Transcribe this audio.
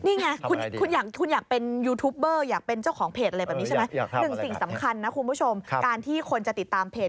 นี่ไงคุณอยากเป็นยูทูปเบอร์อยากเป็นเจ้าของเพจอะไรแบบนี้ใช่ไหม